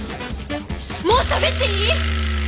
もうしゃべっていい？